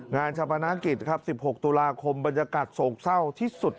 ชาปนากิจครับ๑๖ตุลาคมบรรยากาศโศกเศร้าที่สุด